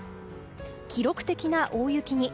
記録的な大雪に。